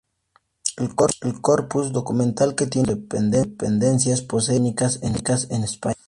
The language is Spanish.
El corpus documental que tiene en sus dependencias posee obras únicas en España.